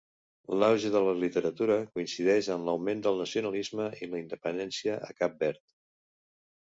L'auge de la literatura coincideix amb l'augment del nacionalisme i la independència a Cap Verd.